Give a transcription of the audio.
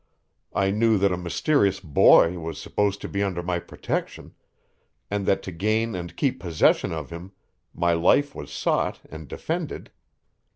I knew that a mysterious boy was supposed to be under my protection, and that to gain and keep possession of him my life was sought and defended.